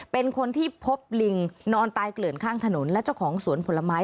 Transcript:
เป็นคนที่พบลิงนอนตายเกลื่อนข้างถนนและเจ้าของสวนผลไม้